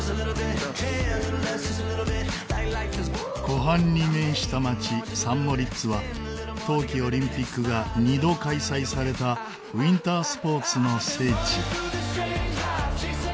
湖畔に面した街サン・モリッツは冬季オリンピックが二度開催されたウィンタースポーツの聖地。